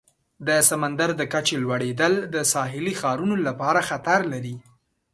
د سمندر د کچې لوړیدل د ساحلي ښارونو لپاره خطر دی.